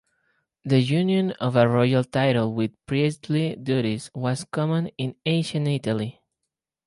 The union of a royal title with priestly duties was common in ancient Italy.